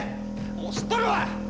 もう知っとるわ！